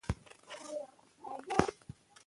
دومره سپک بلاک کړۀ